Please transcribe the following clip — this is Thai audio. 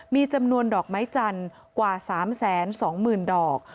มีจำนวนดอกไม้จันทร์กว่า๓๒๐๐๐ดอก